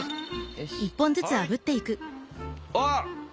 あっ！